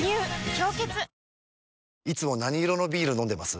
「氷結」いつも何色のビール飲んでます？